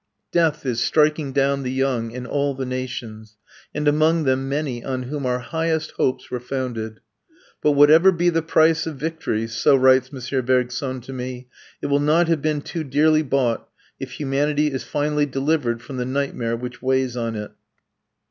Death is striking down the young in all the nations, and among them many on whom our highest hopes were founded. "But whatever be the price of victory," so writes M. Bergson to me, "it will not have been too dearly bought if humanity is finally delivered from the nightmare which weighs on it."